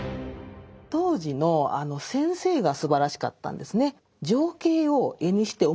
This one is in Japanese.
当時の先生がすばらしかったんですね。